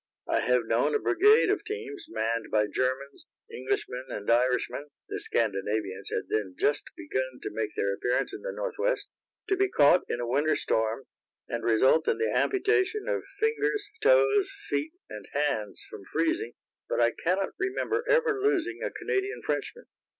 I have known a brigade of teams, manned by Germans, Englishmen and Irishmen (the Scandinavians had then just begun to make their appearance in the Northwest) to be caught in a winter storm, and result in the amputation of fingers, toes, feet and hands from freezing, but I cannot remember ever losing a Canadian Frenchman.